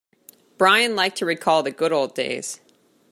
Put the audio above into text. Brian liked to recall the good old days.